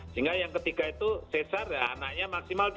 sehingga yang ketiga itu cesar anaknya maksimal